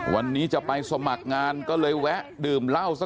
วันนี้จะไปสมัครงานก็เลยแวะดื่มเหล้าซะ